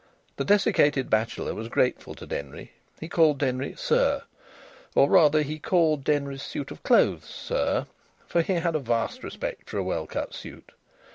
The desiccated bachelor was grateful to Denry. He called Denry "Sir," or rather he called Denry's suit of clothes "Sir," for he had a vast respect for a well cut suit.